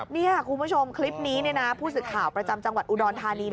นี่คุณผู้ชมคลิปนี้ผู้สื่อข่าวประจำจังหวัดอุดรธานี